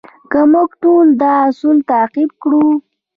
که موږ ټول دا اصول تعقیب کړو.